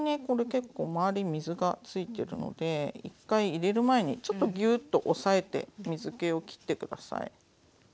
これ結構周り水がついてるので１回入れる前にちょっとぎゅっと押さえて水けを切って下さい。